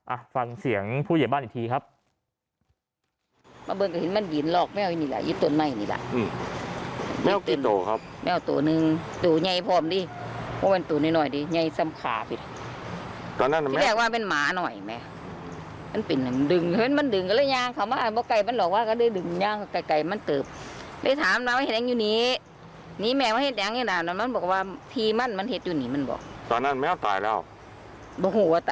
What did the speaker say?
ฟังเสียงผู้ใหญ่บ้านอีกทีครับ